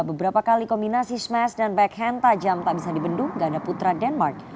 beberapa kali kombinasi smash dan back hand tajam tak bisa dibendung ganda putra denmark